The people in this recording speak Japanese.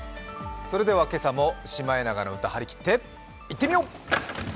それでは今朝も「シマエナガの歌」張り切っていってみよう。